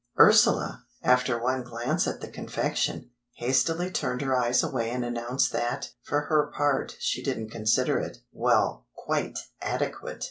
Ursula, after one glance at the confection, hastily turned her eyes away and announced that, for her part, she didn't consider it—well, quite adequate!